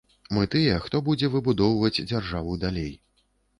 Мы тыя, хто будзе выбудоўваць дзяржаву далей.